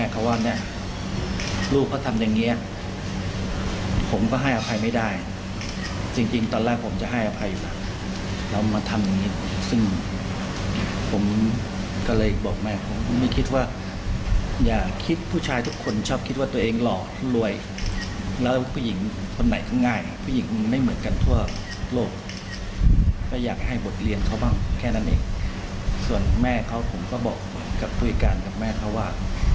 ส่วนแม่เขาก็บอกกับผู้อีกการกับแม่เขาว่า